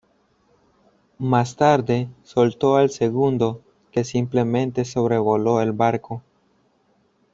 Más tarde soltó al segundo, que simplemente sobrevoló el barco.